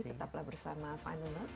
tetaplah bersama final notes